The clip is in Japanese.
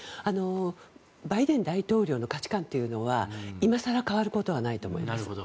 バイデン大統領の価値観というのは今更変わることはないと思います。